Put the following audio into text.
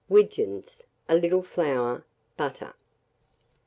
Widgeons, a little flour, butter.